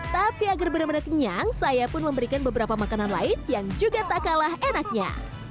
tapi agar benar benar kenyang saya pun memberikan beberapa makanan lain yang juga tak kalah enaknya